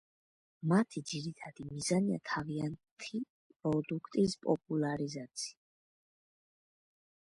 მათი ძირითადი მიზანია თავიანთი პროდუქტის პოპულარიზაცია.